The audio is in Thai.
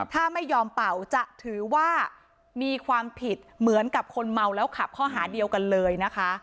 ถ้าไม่ยอมเป่าจะถือว่ามีความผิดเหมือนกับคนเมาแล้วขับข้อหาเดียวกันเลยนะคะ